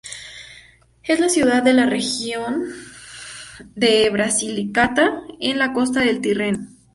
Es la única ciudad de la región de Basilicata en la costa del Tirreno.